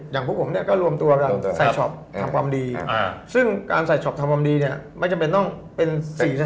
อย่างพวกผมก็รวมตัวกันใส่ช็อปทำความดีซึ่งการใส่ช็อปทำความดีไม่จำเป็นต้องเป็น๔สถาบัน